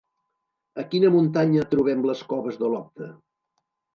A quina muntanya trobem les coves d'Olopte?